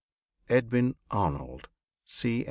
EDWIN ARNOLD, C.